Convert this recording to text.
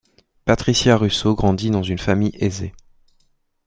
Patricia Russo grandit dans une famille aisée.